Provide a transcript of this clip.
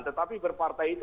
tetapi berpartai itu